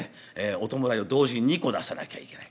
お弔いを同時に２個出さなきゃいけない。